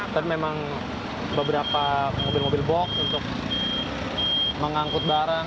tapi memang beberapa mobil mobil box untuk mengangkut barang